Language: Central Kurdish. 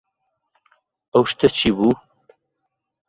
ئەو شتە چی بوو؟